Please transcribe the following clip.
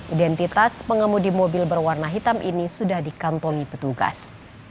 identitas pengemudi mobil berwarna hitam ini sudah dikantongi petugas